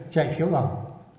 chạy khiếu bỏng